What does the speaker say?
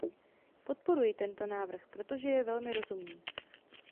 Podporuji tento návrh, protože je velmi rozumný.